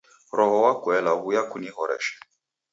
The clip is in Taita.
Roho wa kuela w'uya kunighoreshe.